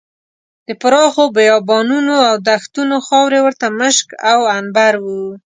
د پراخو بیابانونو او دښتونو خاورې ورته مشک او عنبر وو.